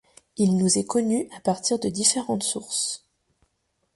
Il nous est connu à partir de différentes sources.